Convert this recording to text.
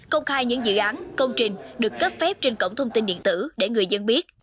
công khai những dự án công trình được cấp phép trên cổng thông tin điện tử để người dân biết